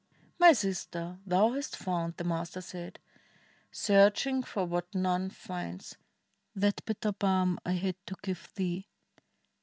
"My sister! thou hast found," the Master said, *' Searching for what none finds — that bitter balm I had to give thee.